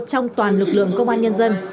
trong toàn lực lượng công an nhân dân